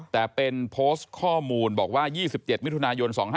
แต่เป็นโพสต์ข้อมูลบอกว่า๒๗มิถุนายน๒๕๕๙